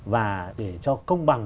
và để cho công bằng